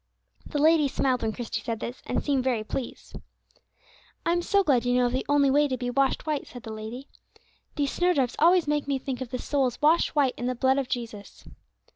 '" The lady smiled when Christie said this, and seemed very pleased. "I am so glad you know of the only way to be washed white," said the lady. "These snowdrops always make me think of the souls washed white in the blood of Jesus."